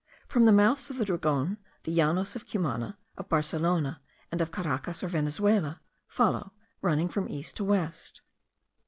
From the mouths of the Dragon the Llanos of Cumana, of Barcelona, and of Caracas or Venezuela,* follow, running from east to west.